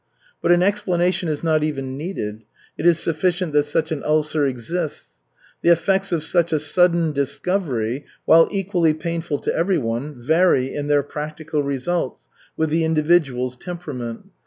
But an explanation is not even needed. It is sufficient that such an ulcer exists. The effects of such a sudden discovery, while equally painful to everyone, vary in their practical results, with the individual's temperament.